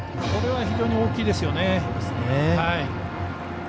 これは非常に大きいですよね。